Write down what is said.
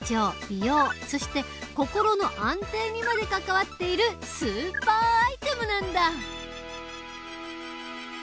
美容そして心の安定にまで関わっているスーパーアイテムなんだ！